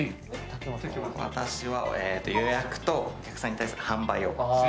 私は予約とお客さんに対する販売をしてます。